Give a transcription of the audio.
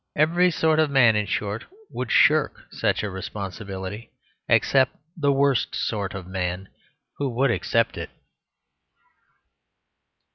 Every sort of man, in short, would shirk such a responsibility, except the worst sort of man, who would accept it.